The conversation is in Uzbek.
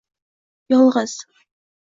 yolg’iz